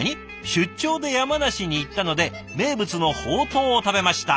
「出張で山梨に行ったので名物のほうとうを食べました。